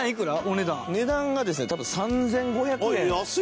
値段がですね多分３５００円。